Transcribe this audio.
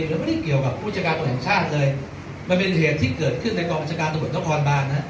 เราไม่ได้เกี่ยวกับผู้จัดการตำรวจแห่งชาติเลยมันเป็นเหตุที่เกิดขึ้นในกองบัญชาการตำรวจนครบานฮะ